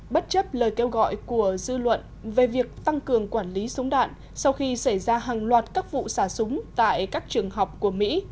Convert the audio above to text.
bất chấp lời kêu gọi của dư luận về việc tăng cường quản lý súng đạn sau khi xảy ra hàng loạt các vụ xả súng tại các trường học của mỹ